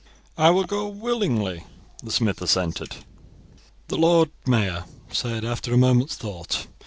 "I will go willingly," the smith assented. The Lord Mayor said, after a moment's thought.